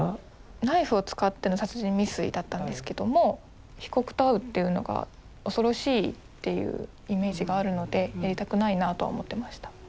ナイフを使っての殺人未遂だったんですけども被告と会うっていうのが恐ろしいっていうイメージがあるのでやりたくないなとは思ってました。